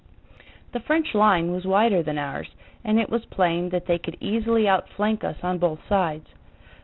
The French line was wider than ours, and it was plain that they could easily outflank us on both sides.